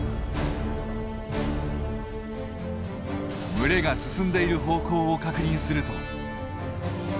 群れが進んでいる方向を確認すると。